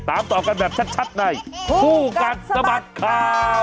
ตามต่อกันแบบชัดในคู่กัดสะบัดข่าว